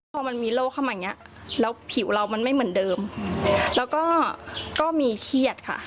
พอมันมีโรคเข้ามาอย่างเงี้ยแล้วผิวเรามันไม่เหมือนเดิมแล้วก็ก็มีเครียดค่ะ